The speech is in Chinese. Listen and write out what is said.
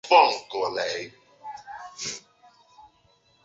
元昊下令断其水源。